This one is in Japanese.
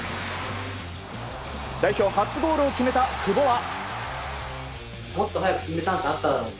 代表初ゴールを決めた久保は。